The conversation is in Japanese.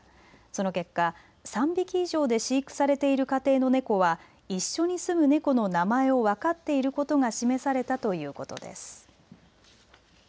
その結果、３匹以上で飼育されている家庭のネコは一緒に住むネコの名前を分かっていることが示されたということです。